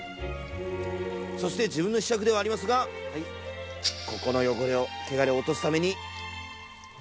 そして自分のひしゃくではありますがここの汚れを落とすために。